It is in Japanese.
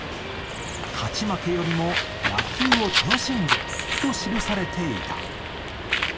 「勝ち負けよりも野球を楽しんで」と記されていた。